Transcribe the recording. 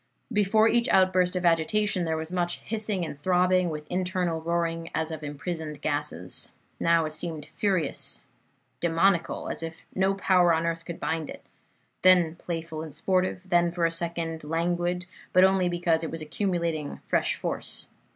Before each outburst of agitation there was much hissing and throbbing, with internal roaring as of imprisoned gases. Now it seemed furious, demoniacal, as if no power on earth could bind it, then playful and sportive; then for a second languid, but only because it was accumulating fresh force.